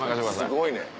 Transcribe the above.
すごいね。